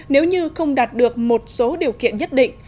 nếu như không đạt được một số điều kiện nhất định